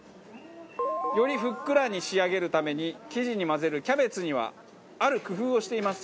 よりふっくらに仕上げるために生地に混ぜるキャベツにはある工夫をしています。